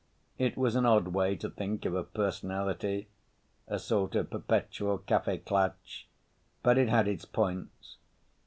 It was an odd way to think of a personality—a sort of perpetual Kaffeeklatsch—but it had its points.